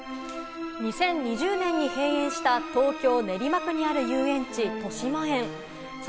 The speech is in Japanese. ２０２０年に閉園した東京・練馬区にある遊園地・としまえん。